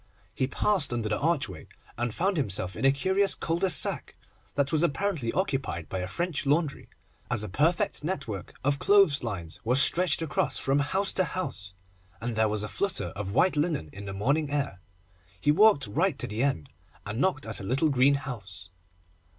He passed under the archway, and found himself in a curious cul de sac, that was apparently occupied by a French Laundry, as a perfect network of clothes lines was stretched across from house to house, and there was a flutter of white linen in the morning air. He walked right to the end, and knocked at a little green house.